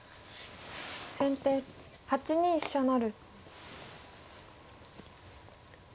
先手８二飛車成。